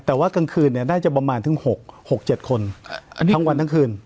แต่ว่ากลางคืนน่าจะประมาณถึง๖๗คนทั้งวันทั้งคืน